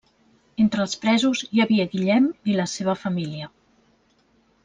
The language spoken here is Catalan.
Entre els presos hi havia Guillem i la seva família.